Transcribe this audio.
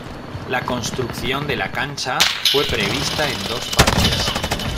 La construcción de la cancha fue prevista en dos partes.